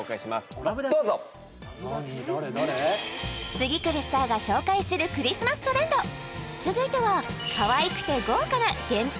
次くるスターが紹介するクリスマストレンド続いてはかわいくて豪華な限定